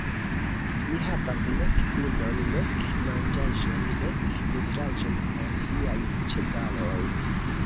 Mi havas nek vinon, nek manĝaĵon, nek nutraĵon por viaj ĉevaloj.